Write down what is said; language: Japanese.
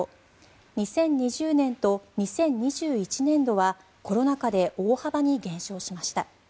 ２０２０年と２０２１年度はコロナ禍で大幅に減少しました。